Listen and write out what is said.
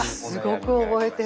すごく覚えてる。